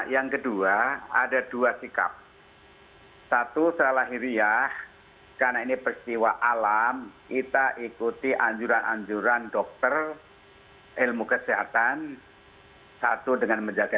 wilayah kota yang sama